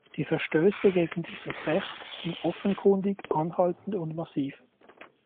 Die Verstöße gegen dieses Recht sind offenkundig, anhaltend und massiv.